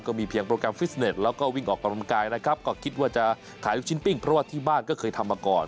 เพียงโปรแกรมฟิสเน็ตแล้วก็วิ่งออกกำลังกายนะครับก็คิดว่าจะขายลูกชิ้นปิ้งเพราะว่าที่บ้านก็เคยทำมาก่อน